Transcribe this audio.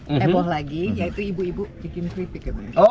eboh lagi yaitu ibu ibu bikin kritik ya